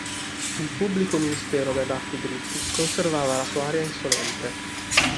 Il pubblico ministero dai baffi dritti conservava la sua aria insolente.